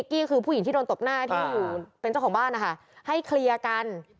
กี้คือผู้หญิงที่โดนตบหน้าที่อยู่เป็นเจ้าของบ้านนะคะให้เคลียร์กัน